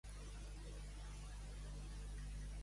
Jean Falp va ser un arquitecte francès nascut a Roses.